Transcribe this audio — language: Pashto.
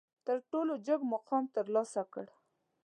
تر ټولو جګ مقام ترلاسه کړ.